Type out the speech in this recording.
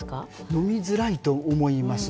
飲みづらいと思います。